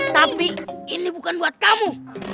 tapi ini bukan buat kamu